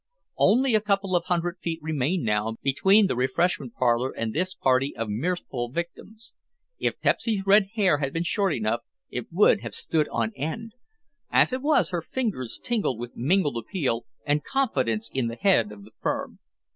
Only a couple of hundred feet remained now between the refreshment parlor and this party of mirthful victims. If Pepsy's red hair had been short enough it would have stood on end; as it was her fingers tingled with mingled appeal and confidence in the head of the firm.